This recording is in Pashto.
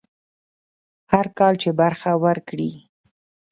هر کال چې برخه ورکړي.